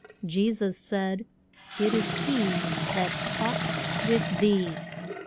Je sus said, It is he that talks with thee.